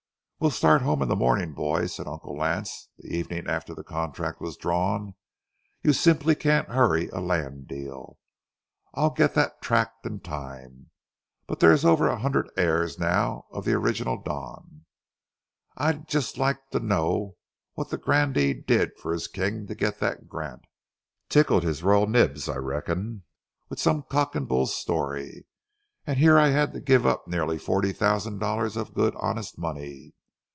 "We'll start home in the morning, boys," said Uncle Lance, the evening after the contract was drawn. "You simply can't hurry a land deal. I'll get that tract in time, but there's over a hundred heirs now of the original Don. I'd just like to know what the grandee did for his king to get that grant. Tickled his royal nibs, I reckon, with some cock and bull story, and here I have to give up nearly forty thousand dollars of good honest money.